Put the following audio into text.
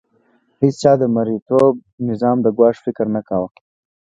هیڅ چا د مرئیتوب نظام د ګواښ فکر نه کاوه.